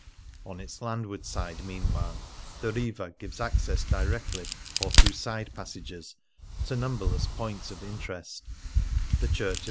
On its landward side, meanwhile, the Riva gives access directly or through side passages to numberless points of interest : the church of S.